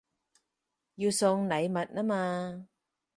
要送禮物吖嘛